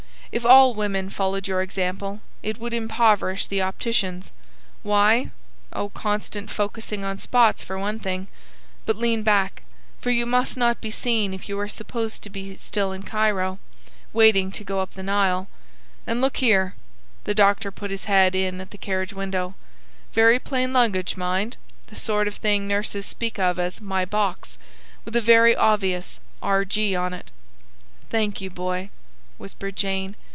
If all women followed your example it would impoverish the opticians. Why? Oh, constant focussing on spots, for one thing. But lean back, for you must not be seen if you are supposed to be still in Cairo, waiting to go up the Nile. And, look here" the doctor put his head in at the carriage window "very plain luggage, mind. The sort of thing nurses speak of as 'my box'; with a very obvious R. G. on it!" "Thank you, Boy," whispered Jane.